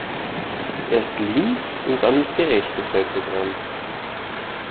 Erst links und dann ist die rechte Seite dran.